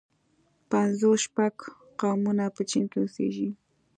پنځوس شپږ قومونه په چين کې اوسيږي.